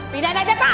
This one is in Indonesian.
pindahin aja pak